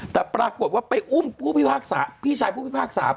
แต่ปรากฏว่าไปอุ้มพี่ชายผู้พิพากษ์สาม